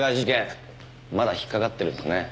まだ引っかかってるんですね。